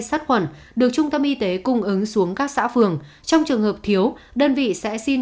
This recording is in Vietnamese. sát khuẩn được trung tâm y tế cung ứng xuống các xã phường trong trường hợp thiếu đơn vị sẽ xin